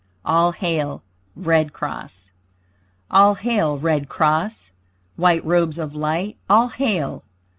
ALL HAIL RED CROSS All hail Red Cross! White robes of light, all hail!